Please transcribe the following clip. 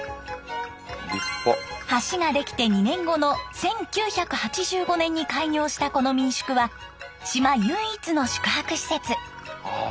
橋ができて２年後の１９８５年に開業したこの民宿は島唯一の宿泊施設。